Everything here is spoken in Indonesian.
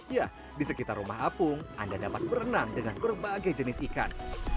ya di sekitar rumah apung anda dapat berenang dengan berbagai jenis ikan